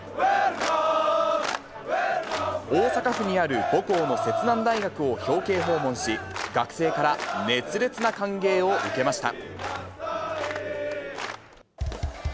大阪府にある母校の摂南大学を表敬訪問し、学生から熱烈な歓迎を受けました。